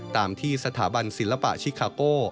ตามที่สถาบันศิลปะชิคาโก้